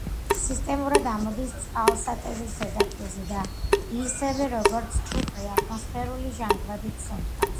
სისტემატურად ამოდის წყალსატევის ზედაპირზე და ისევე, როგორც ჭუპრი, ატმოსფერული ჟანგბადით სუნთქავს.